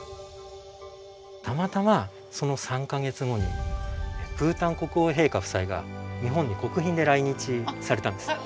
たまたまその３か月後にブータン国王陛下夫妻が日本に国賓で来日されたんですね。